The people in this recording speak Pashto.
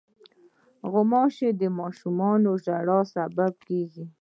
غوماشې د ماشومو ژړا سبب ګرځي.